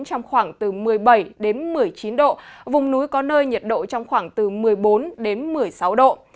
trong khoảng từ một mươi bảy đến một mươi chín độ vùng núi có nơi nhiệt độ trong khoảng từ một mươi bốn đến một mươi sáu độ